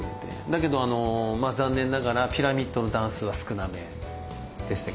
だけど残念ながらピラミッドの段数は少なめでしたけどもね。